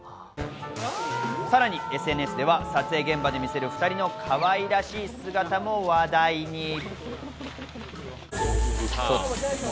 さらにＳＮＳでは撮影現場で見せる、２人の可愛らしい姿も話題に。